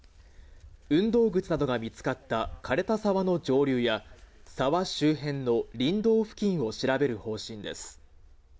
運動靴などが見つかったかれた沢の上流や、沢周辺の林道付近を調べる方針です。